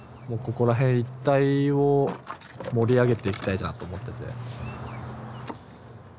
もうここら辺一帯を盛り上げていきたいなと思ってて。